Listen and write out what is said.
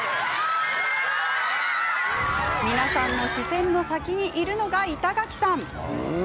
皆さんの視線の先にいるのが板垣さん。